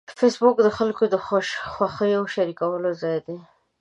فېسبوک د خلکو د خوښیو شریکولو ځای دی